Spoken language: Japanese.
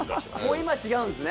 今は違うんですね？